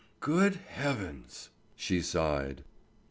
"Good heavens!" she sighed.